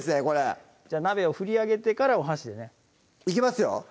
これじゃあ鍋を振り上げてからお箸でねいきますよ